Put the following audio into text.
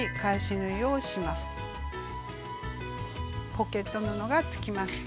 ポケット布がつきました。